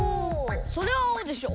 それはあおでしょ。